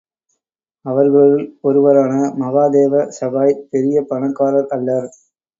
அவர்களுள் ஒருவரான மகாதேவ சகாய் பெரிய பணக்காரர் அல்லர்.